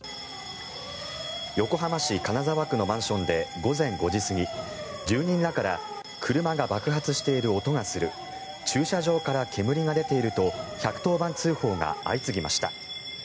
横浜市金沢区のマンションで午前５時過ぎ住人らから車が爆発している音がする駐車場から煙が出ていると１１０番通報が相次ぎました。